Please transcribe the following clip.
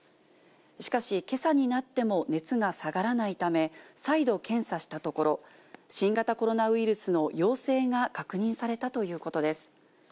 しかし、けさになっても熱が下がらないため、再度検査したところ、新型コロナウイルスの陽性が確認されたということです。